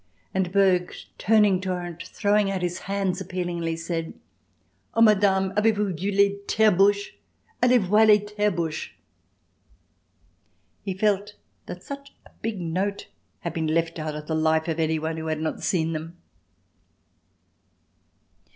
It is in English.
And Berg, turning to her and throwing out his hands appealingly, said: "O, madame, avez vous vu les Terbourgs? Allez voir les Terbourgs." He felt that such a big note had been left out of the life of any one who had not seen them.